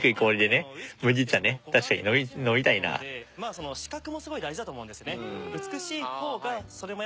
その視覚もすごい大事だと思うんですね。